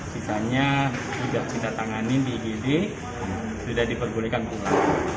sisanya sudah kita tangani di igd sudah diperbolehkan buka